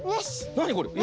なにこれ？